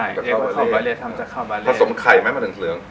เรียกว่าข้าวบาเลทำจากข้าวบาเลผสมไข่มั้ยมาถึงเครือง